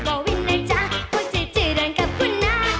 บ่วินอาจารย์พ่อเจ้าเจ้าเดินกับคุณน้า